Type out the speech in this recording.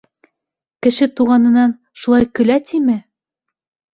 - Кеше туғанынан шулай көлә тиме?!